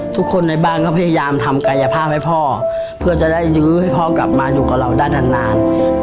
ทุกคนในบ้านก็พยายามทำกายภาพให้พ่อเพื่อจะได้ยื้อให้พ่อกลับมาอยู่กับเราได้นาน